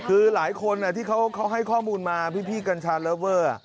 คือหลายคนที่เขาให้ข้อมูลมาพี่กัญชาเลิฟเวอร์